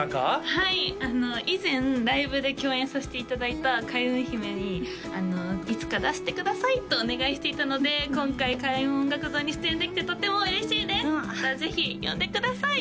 はい以前ライブで共演させていただいた開運姫にいつか出してくださいとお願いしていたので今回開運音楽堂に出演できてとても嬉しいですまたぜひ呼んでください